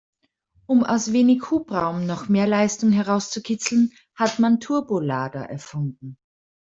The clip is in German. Um aus wenig Hubraum noch mehr Leistung herauszukitzeln, hat man Turbolader erfunden.